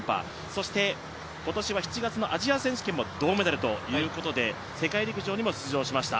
そして、今年は７月のアジア選手権も銅メダルということで世界陸上にも出場しました。